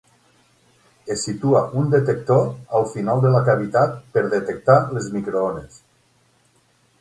Es situa un detector al final de la cavitat per detectar les microones.